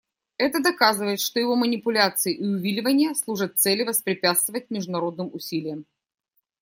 Это доказывает, что его манипуляции и увиливания служат цели воспрепятствовать международным усилиям.